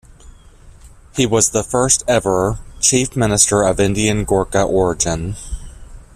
He was the first ever Chief Minister of Indian Gorkha origin.